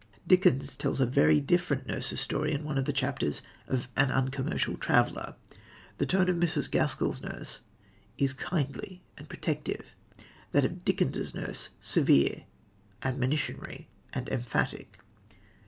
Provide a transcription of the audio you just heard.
Dickens tells a very different nurse's story in one of the chapters of An Uncommercial Traveller. The tone of Mrs. Gaskell's nurse is kindly and protective; that of Dickens' nurse severe, admonitory and emphatic.